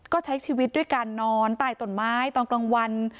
ก็ใช้ชีวิตด้วยการนอนใต้ต้นไม้ตอนกลางวัน